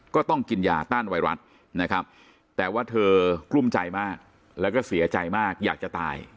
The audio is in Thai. ก็ต้องกินยาต้านไวรัสนะครับแต่ว่าเธอกลุ้มใจมากแล้วก็เสียใจมากอยากจะตาย